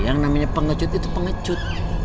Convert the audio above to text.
yang namanya pengecut itu pengecut